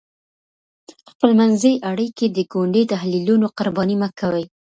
خپلمنځي اړیکې د ګوندي تحلیلونو قرباني مه کوئ.